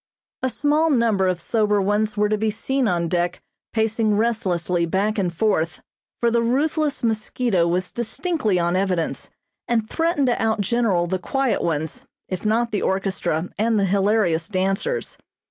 A small number of sober ones were to be seen on deck pacing restlessly back and forth, for the ruthless mosquito was distinctly on evidence, and threatened to outgeneral the quiet ones, if not the orchestra and the hilarious dancers.